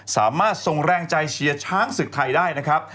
สามารถส่งแรงใจเชียร์ช้างศึกไทยได้นะครับ